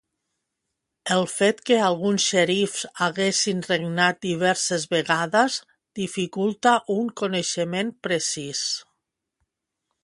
El fet que alguns xerifs haguessin regnat diverses vegades dificulta un coneixement precís.